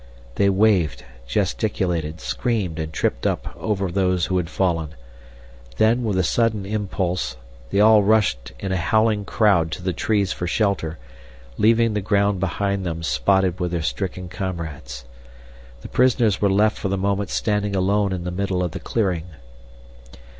They waved, gesticulated, screamed, and tripped up over those who had fallen. Then, with a sudden impulse, they all rushed in a howling crowd to the trees for shelter, leaving the ground behind them spotted with their stricken comrades. The prisoners were left for the moment standing alone in the middle of the clearing.